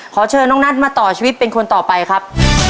ขอเชิญน้องนัทมาต่อชีวิตเป็นคนต่อไปครับ